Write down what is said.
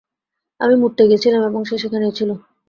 আমি মুত তে গেছিলাম এবং সে সেখানেই ছিল।